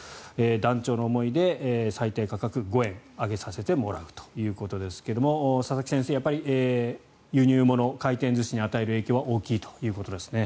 断腸の思いで最低価格５円上げさせてもらうということですが佐々木先生、輸入物回転寿司に与える影響は大きいということですね。